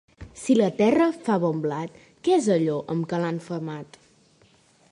Si la terra fa bon blat, què és allò amb què l'han femat?